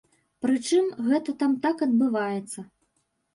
Прычым, гэта там так адбываецца.